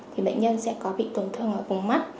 thì bệnh nhân sẽ có bị tổn thương ở vùng mắt